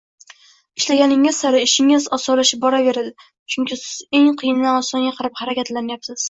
Ishlaganingiz sari ishingiz osonlashib boraveradi, chunki siz eng qiyindan osonga qarab harakatlanayapsiz